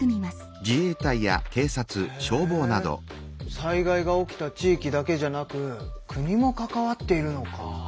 災害が起きた地域だけじゃなく国も関わっているのか。